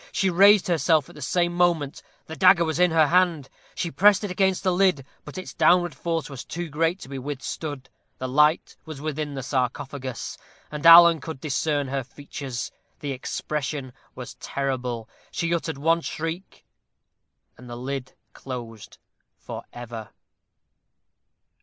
She raised herself at the same moment the dagger was in her hand she pressed it against the lid, but its downward force was too great to be withstood. The light was within the sarcophagus, and Alan could discern her features. The expression was terrible. She uttered one shriek and the lid closed for ever.